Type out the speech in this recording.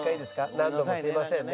何度もすいませんね。